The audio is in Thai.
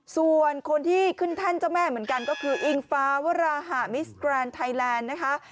ส่วนคนที่ขึ้นแท่นเจ้าแม่เหมือนกันก็คืออิงฟ้าวราหะมิสแกรนด์ไทยแลนด์นะคะ